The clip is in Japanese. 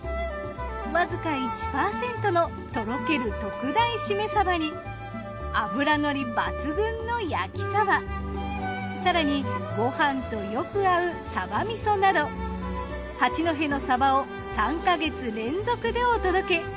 わずか１％のとろける特大〆サバに脂乗り抜群の焼き鯖更にごはんとよく合う鯖味噌など八戸のサバを３か月連続でお届け。